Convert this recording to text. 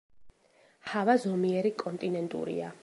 ჰავა ზომიერი კონტინენტურია.